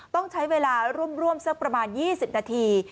ต้องใช้เวลาร่วมสักประมาณ๒๐นาที